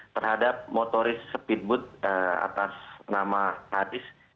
terhadap motoris speedboot atas nama hadis